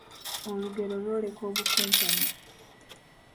Olugero lwoleka obukumpanya